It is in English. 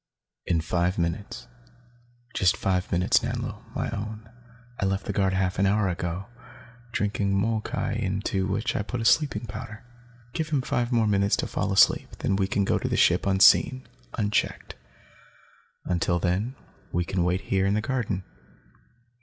"In five minutes, just five minutes, Nanlo, my own," he whispered. "I left the guard half an hour ago, drinking molkai into which I put a sleeping powder. Give him five more minutes to fall asleep, then we can go to the ship unseen, unchecked. Until then, we can wait here in the garden."